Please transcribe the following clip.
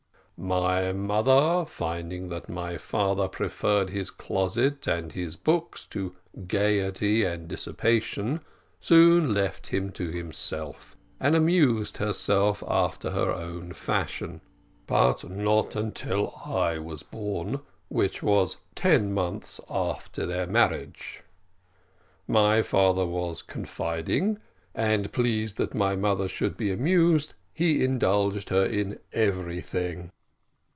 "My mother, finding that my father preferred his closet and his books to gaiety and dissipation, soon left him to himself, and amused herself after her own fashion, but not until I was born, which was ten months after their marriage. My father was confiding, and, pleased that my mother should be amused, he indulged her in everything.